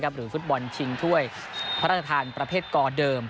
หรือฟุตบอลชิงถ้วยพระราชทานประเภทกอเดิม